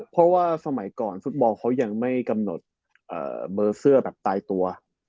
เพราะว่าสมัยก่อนฟุตบอลเขายังไม่กำหนดเบอร์เสื้อแบบตายตัว